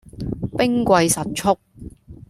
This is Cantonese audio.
兵貴神速